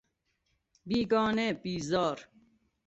بیگانه، بیزار